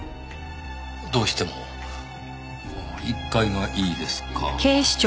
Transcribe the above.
どうしても１階がいいですか。